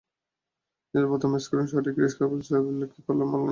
নিজের প্রথম স্কোরিং শটেই ক্রিস ওকসকে ফ্লিক করে মারলেন দারুণ একটা চার।